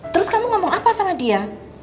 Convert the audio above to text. terus kamu ngomong apa sama dia